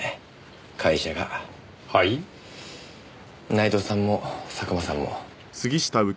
内藤さんも佐久間さんも。